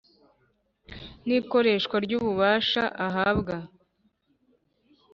N ikoreshwa ry ububasha ahabwa